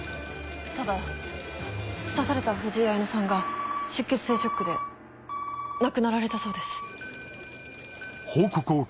ただ刺された藤井綾乃さんが出血性ショックで亡くなられたそうです。